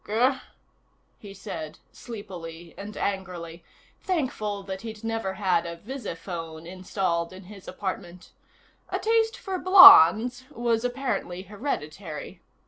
"Gur?" he said, sleepily and angrily, thankful that he'd never had a visiphone installed in his apartment. A taste for blondes was apparently hereditary.